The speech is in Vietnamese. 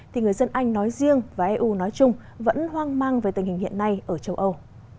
thì người dân anh nói riêng và eu nói chung vẫn hoang mang về tình hình hiện nay ở châu âu